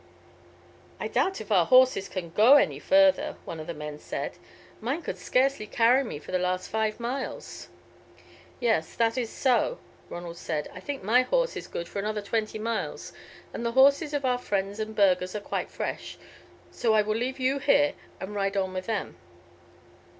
"I doubt if our horses can go any further," one of the men said. "Mine could scarcely carry me for the last five miles." "Yes, that is so," Ronald said. "I think my horse is good for another twenty miles, and the horses of our friends the burghers are quite fresh, so I will leave you here and ride on with them.